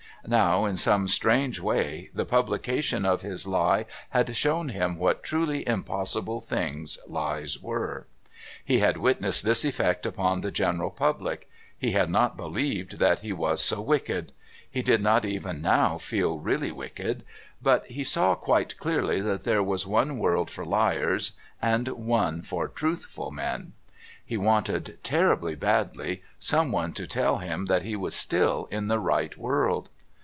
Now, in some strange way, the publication of his lie had shown him what truly impossible things lies were. He had witnessed this effect upon the general public; he had not believed that he was so wicked. He did not even now feel really wicked, but he saw quite clearly that there was one world for liars and one for truthful men. He wanted, terribly badly, someone to tell him that he was still in the right world...